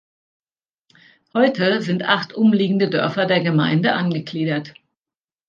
Heute sind acht umliegende Dörfer der Gemeinde angegliedert.